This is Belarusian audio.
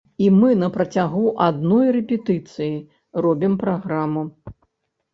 І мы на працягу адной рэпетыцыі робім праграму.